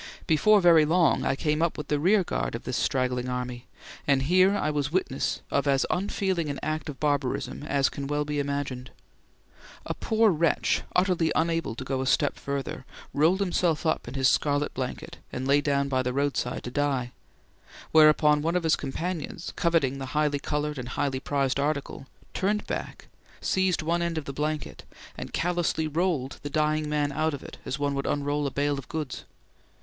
Before very long I came up with the rearguard of this straggling army, and here I was witness of as unfeeling an act of barbarism as can well be imagined. A poor wretch, utterly unable to go a step further, rolled himself up in his scarlet blanket and lay down by the roadside to die; whereupon one of his companions, coveting the highly coloured and highly prized article, turned back, seized one end of the blanket, and callously rolled the dying man out of it as one would unroll a bale of goods.